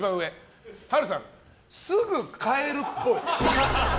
波瑠さん、すぐ帰るっぽい。